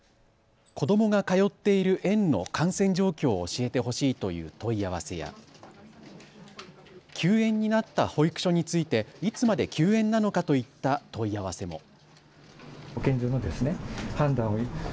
子どもが通っている園の感染状況を教えてほしいという問い合わせや休園になった保育所についていつまで休園なのかといった問い合わせも。